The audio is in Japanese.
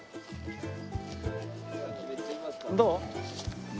どう？